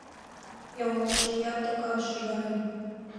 Йоҥылыш лият докан, шӱжарем».